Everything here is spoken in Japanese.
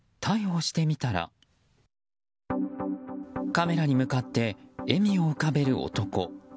カメラに向かって笑みを浮かべる男。